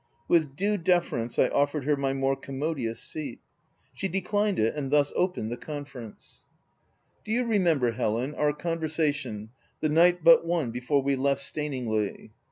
With due deference I offered her my more commo dious seat. She declined it, and thus opened the conference :"■ Do you remember, Helen, our conversation the night but one before we left Staningley